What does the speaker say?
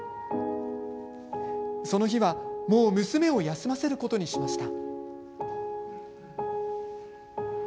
その日はもう娘を休ませることにしました。